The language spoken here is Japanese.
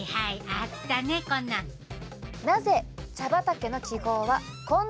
あったね、こんなん。